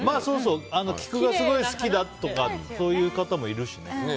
菊がすごい好きだとかそういう方もいるしね。